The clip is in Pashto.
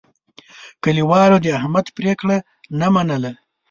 کلیوالو د احمد پرېکړه نه منله.